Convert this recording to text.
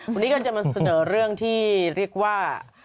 วันนี้ก็จะมาเสนอเรื่องที่เรียกว่า